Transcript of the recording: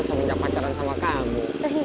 semenjak pacaran sama kamu